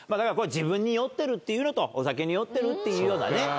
これ自分に酔ってるっていうのとお酒に酔ってるっていうようなね